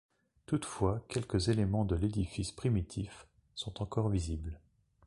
Toutefois quelques éléments de l'édifice primitif sont encore visibles.